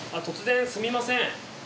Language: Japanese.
突然すみません。